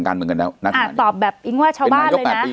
อ่ะตอบแบบอิงว่าชาวบ้านเลยนะ